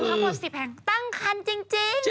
ทั้งหมด๑๐แห่งตั้งคันจริง